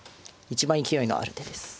一番勢いのある手です。